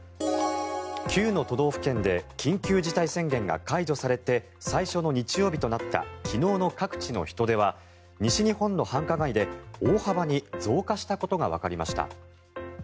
９の都道府県で緊急事態宣言が解除されて最初の日曜日となった昨日の各地の人出は西日本の繁華街で大幅に増加したことがわかりました。